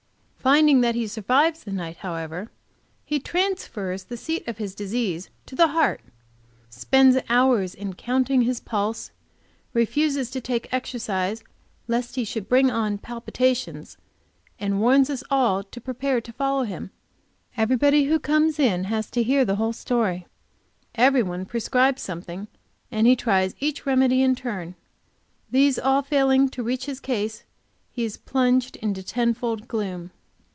Finding that he survives the night, however, he transfers the seat of his disease to the heart, spends hours in counting his pulse, refuses to take exercise lest he should bring on palpitations, and warns us all to prepare to follow him. Everybody who comes in has to hear the whole story, every one prescribes something, and he tries each remedy in turn. These all failing to reach his case, he is plunged into ten fold gloom.